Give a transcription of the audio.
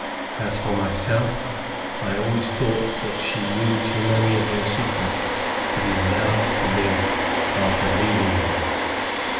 As for myself, I always thought that she knew too many of their secrets to be allowed to live after leaving them.